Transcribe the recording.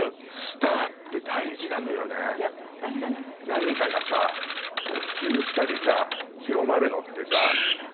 何かが普及したりさ広まるのってさ。